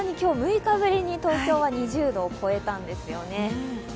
６日ぶりに東京は２０度を超えたんですよね。